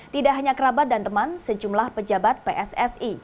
tidak hanya kerabat dan teman sejumlah pejabat pssi